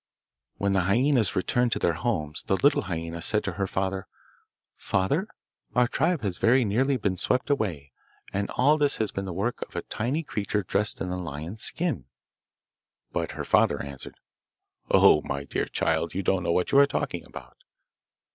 When the hyaenas returned to their homes the little hyaena said to her father: 'Father, our tribe has very nearly been swept away, and all this has been the work of a tiny creature dressed in the lion's skin.' But her father answered, 'Oh, my dear child, you don't know what you are talking about.